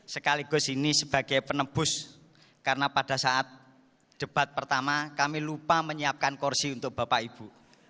sekaligus ini sebagai penebus karena pada saat debat pertama kami lupa menyiapkan kursi untuk bapak ibu